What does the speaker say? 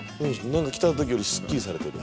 何か来た時よりすっきりされてる。